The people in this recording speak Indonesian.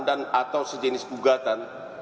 dan atau sejenis gugatan